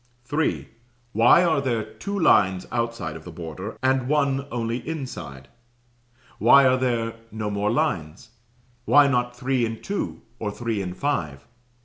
Why are there two lines outside of the border, and one only inside? Why are there no more lines? Why not three and two, or three and five?